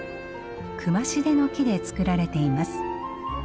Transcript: クマシデの木で作られています。